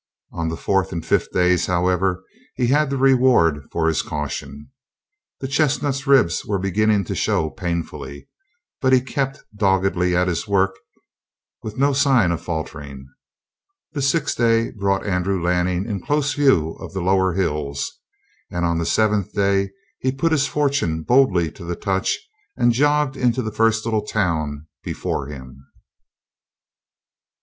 On the fourth and fifth days, however, he had the reward for his caution. The chestnut's ribs were beginning to show painfully, but he kept doggedly at his work with no sign of faltering. The sixth day brought Andrew Lanning in close view of the lower hills. And on the seventh day he put his fortune boldly to the touch and jogged into the first little town before him.